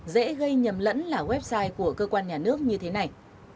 dễ gây nhầm lẫn là website của cơ quan nhà nước như thế này